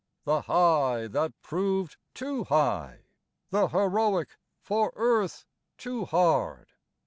The high that proved too high, the heroic for earth too hard.